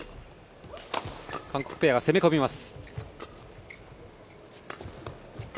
韓国ペアが攻め込みます。